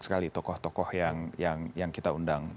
sekali tokoh tokoh yang kita undang